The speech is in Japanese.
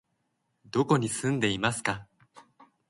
どこに住んでいますか？